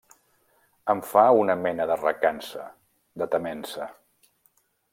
Em fa una mena de recança, de temença.